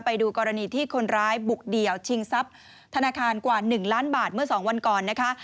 ไปดูกรณีที่คนร้ายบุกเดี่ยวชิงทรัพย์ธนาคารกว่า๑ล้านบาทเมื่อ๒วันก่อนนะคะ